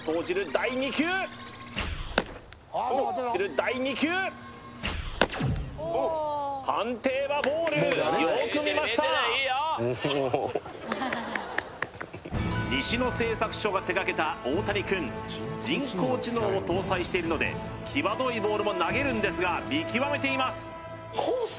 第２球第２球判定はボールよく見ました西野製作所が手がけたオオタニくん人工知能を搭載しているので際どいボールも投げるんですが見極めています